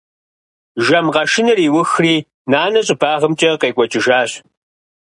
Жэм къэшыныр иухри, нанэ щӏыбагъымкӏэ къекӏуэкӏыжащ.